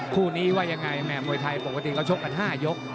คู่นี้ว่ายังไงแหม่มวยไทยปกติเราชกกัน๕ยก